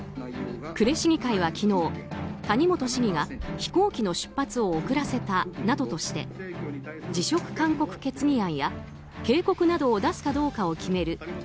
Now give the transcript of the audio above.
呉市議会は昨日、谷本市議が飛行機の出発を遅らせたなどとして辞職勧告決議案や警告などを出すかどうかを決める